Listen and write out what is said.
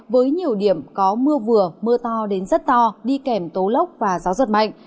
với nhiều điểm có mưa vừa mưa to đến rất to đi kèm tố lốc và gió giật mạnh